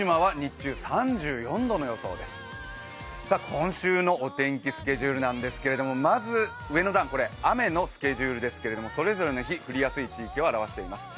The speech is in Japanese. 今週のお天気スケジュールなんですけども、まず上の段、雨のスケジュールですけれども、それぞれの日、降りやすい日にちを表しています。